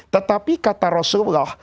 tetapi kata rasulullah